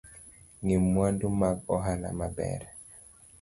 Ng’i mwandu mag ohala maber